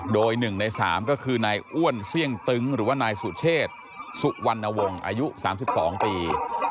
โดย๑ใน๓ก็คือนายอ้วนเสี่ยงตึ้งหรือว่านายสุเชษสุวรรณวงศ์อายุ๓๒ปี